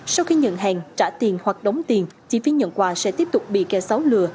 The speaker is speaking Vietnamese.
sau khi nhận hàng trả tiền hoặc đóng tiền chi phí nhận quà sẽ tiếp tục bị kẻ xấu lừa